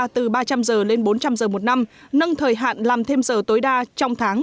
từ ba trăm linh giờ lên bốn trăm linh giờ một năm nâng thời hạn làm thêm giờ tối đa trong tháng